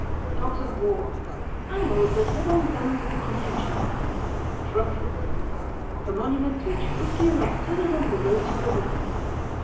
DOGS OF WAR. Animals that live on bones of contention. DRUNKARDS. The monuments which whiskey erects all along the road to ruin.